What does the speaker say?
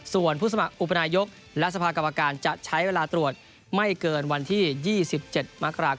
ส่วนผู้สมัครอุปนายกและสภากรรมการจะใช้เวลาตรวจไม่เกินวันที่๒๗มกราคม